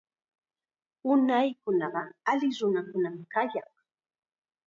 Unaykunaqa alli nunakunam kayaq.